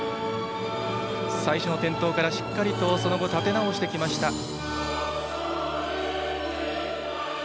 最初の転倒からしっかりとその後立て直してきました。